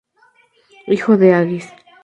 Hijo de Agis.